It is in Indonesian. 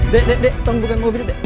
dek dek dek tolong buka mobil dek